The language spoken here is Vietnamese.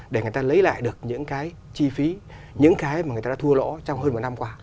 để người ta lấy lại được những cái chi phí những cái mà người ta đã thua lỗ trong hơn một năm qua